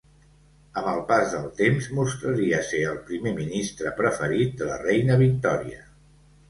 Amb el pas del temps mostraria ser el primer ministre preferit de la reina Victòria.